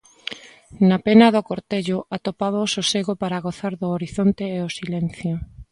Na Pena do Cortello atopaba o sosego para gozar do horizonte e o silencio.